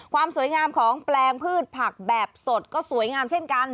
ความสวยงามของแปลงพืชผักแบบสดก็สวยงามเช่นกัน